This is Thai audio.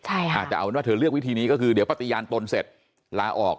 ใช่ค่ะอาจจะเอาเป็นว่าเธอเลือกวิธีนี้ก็คือเดี๋ยวปฏิญาณตนเสร็จลาออก